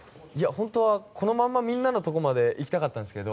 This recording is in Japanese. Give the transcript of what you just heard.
本当は、このままみんなのところまで行きたかったんですけど